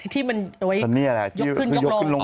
ที่มันไว้ยกขึ้นลง